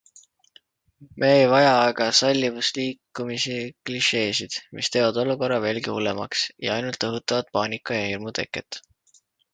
Me ei vaja aga sallivusliikumise klišeesid, mis teevad olukorra veelgi hullemaks ja ainult õhutavad paanika ja hirmu teket.